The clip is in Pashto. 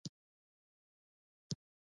غږېږه دا کم وخت هم ډېر تر اوسه دی